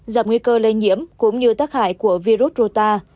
giảm nguy cơ lây nhiễm cũng như tác hại của virus rota